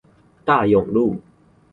大勇路